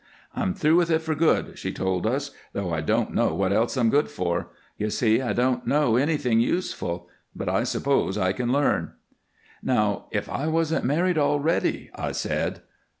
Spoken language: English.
"I'm through with it for good," she told us, "though I don't know what else I'm good for. You see, I don't know anything useful, but I suppose I can learn." "Now, if I wasn't married already " I said.